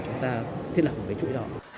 để chúng ta thiết lập một con chuỗi đó